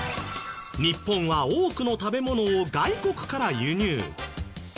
日本は多くの食べ物を外国から輸入。